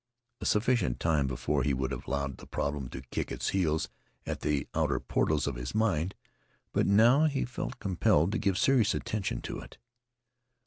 A sufficient time before he would have allowed the problem to kick its heels at the outer portals of his mind, but now he felt compelled to give serious attention to it.